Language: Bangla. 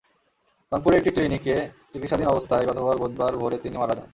রংপুরের একটি ক্লিনিকে চিকিৎসাধীন অবস্থায় গতকাল বুধবার ভোরে তিনি মারা যান।